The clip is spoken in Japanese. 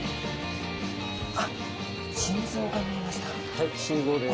はい心臓です。